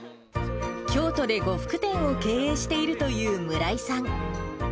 京都で呉服店を経営しているという村井さん。